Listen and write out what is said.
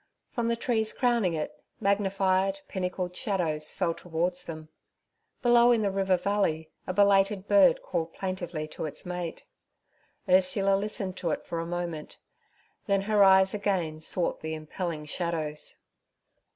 From the trees crowning it, magnified, pinnacled shadows fell towards them. Below in the river valley a belated bird called plaintively to its mate. Ursula listened to it for a moment, then her eyes again sought the impelling shadows.